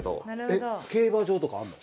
えっ競馬場とかあるの？